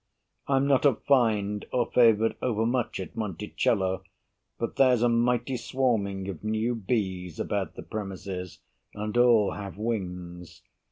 I'm not affined Or favored overmuch at Monticello, But there's a mighty swarming of new bees About the premises, and all have wings.